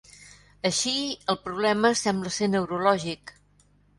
Així, el problema sembla ser neurològic.